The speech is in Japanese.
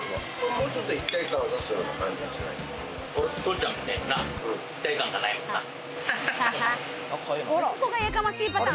もうちょっと一体感を出すようにしないと。